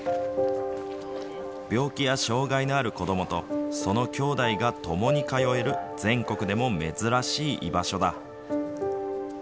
病気や障害のある子どもとその兄弟が共に通える全国でも珍しい居場所だ。